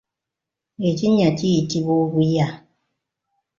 Ekinnya kiyitibwa obuya.